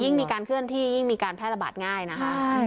มีการเคลื่อนที่ยิ่งมีการแพร่ระบาดง่ายนะคะ